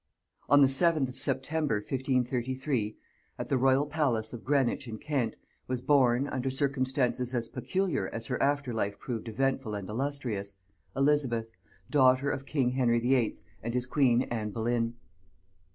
On the 7th of September 1533, at the royal palace of Greenwich in Kent, was born, under circumstances as peculiar as her after life proved eventful and illustrious, ELIZABETH daughter of king Henry VIII. and his queen Anne Boleyn.